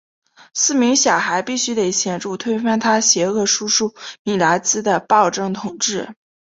四名小孩必须得协助推翻他邪恶叔叔米拉兹的暴政统治。